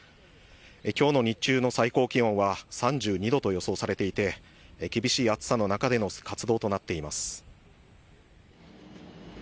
きょうの日中の最高気温は３２度と予想されていて、厳しい暑さの中での活動となっています。